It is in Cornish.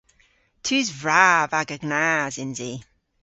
Tus vrav aga gnas yns i.